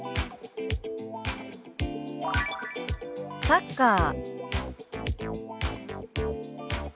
「サッカー」。